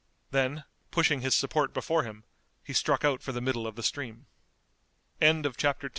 Then, pushing his support before him, he struck out for the middle of the stream. CHAPTER XI.